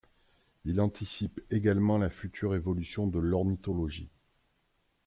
Il anticipe également la future évolution de l'ornithologie.